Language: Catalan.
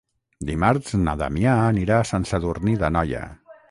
Dimarts na Damià anirà a Sant Sadurní d'Anoia.